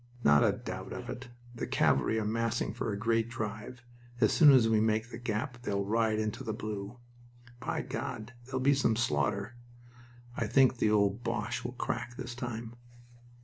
"Not a doubt of it. The cavalry are massing for a great drive. As soon as we make the gap they'll ride into the blue." "By God!... There'll be some slaughter" "I think the old Boche will crack this time."